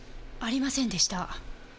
ありませんでした。